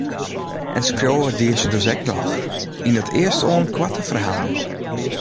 En skriuwe die se dus ek noch, yn it earstoan koarte ferhalen.